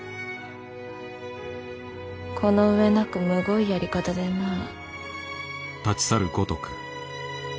この上なくむごいやり方でなあ。